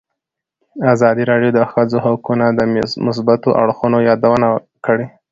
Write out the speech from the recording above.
ازادي راډیو د د ښځو حقونه د مثبتو اړخونو یادونه کړې.